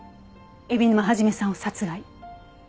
海老沼肇さんを殺害。